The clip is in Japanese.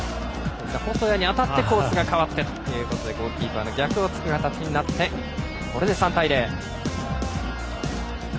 細谷に当たってコースが変わってということでゴールキーパーの逆を突く形になって３対０。